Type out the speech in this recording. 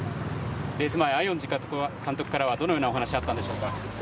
レース前、安養寺監督からはどのようなお話があったんでしょうか。